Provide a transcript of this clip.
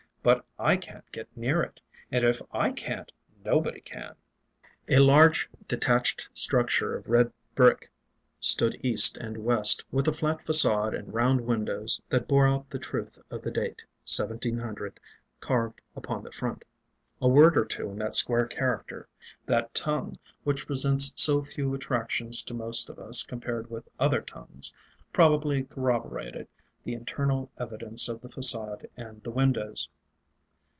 But I can't get near it; and if I can't nobody can."... A large detached structure of red brick stood east and west, with a flat façade and round windows that bore out the truth of the date 1700 carved upon the front. A word or two in that square character that tongue which presents so few attractions to most of us compared with other tongues probably corroborated the internal evidence of the façade and the windows.